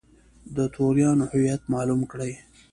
د توریانو هویت معلوم کړي.